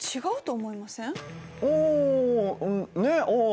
おおんねっああ